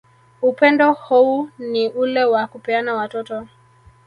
Upendo hou ni ule wa kupeana watoto